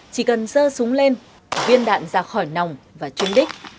chỉ cần dơ súng lên viên đạn ra khỏi nòng và chuyên đích